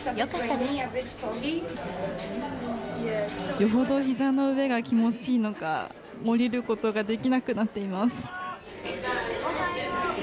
よほどひざの上が気持ちいいのか降りることができなくなっています。